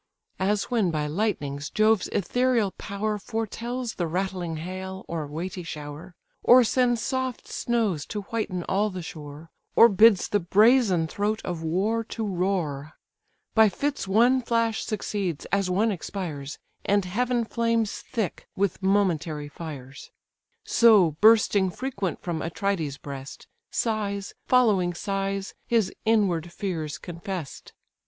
As when by lightnings Jove's ethereal power Foretels the rattling hail, or weighty shower, Or sends soft snows to whiten all the shore, Or bids the brazen throat of war to roar; By fits one flash succeeds as one expires, And heaven flames thick with momentary fires: So bursting frequent from Atrides' breast, Sighs following sighs his inward fears confess'd.